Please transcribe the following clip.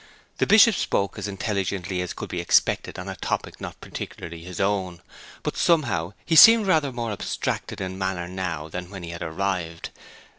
The Bishop spoke as intelligently as could be expected on a topic not peculiarly his own; but, somehow, he seemed rather more abstracted in manner now than when he had arrived.